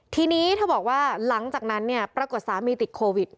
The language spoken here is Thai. ทีนี้เธอบอกว่าหลังจากนั้นเนี่ยปรากฏสามีติดโควิด